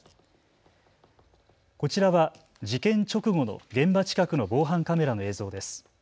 こちらは事件直後の現場近くの防犯カメラの映像です。